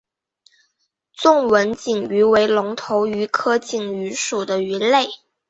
纵纹锦鱼为隆头鱼科锦鱼属的鱼类。